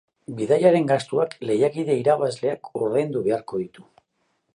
Bidaiaren gastuak lehiakide irabazleak ordaindu beharko ditu.